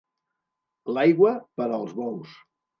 L'aigua, per als bous.